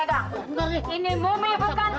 ganti dan jual